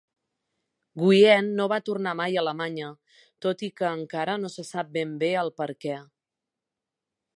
Wiene no va tornar mai a Alemanya, tot i que encara no se sap ben bé el per què.